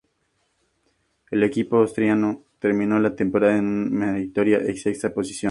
El equipo asturiano terminó la temporada en una meritoria sexta posición.